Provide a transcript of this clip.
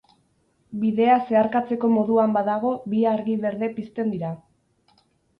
Bidea zeharkatzeko moduan badago, bi argi berde pizten dira.